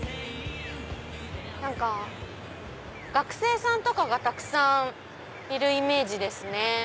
何か学生さんとかがたくさんいるイメージですね。